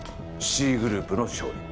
Ｃグループの勝利。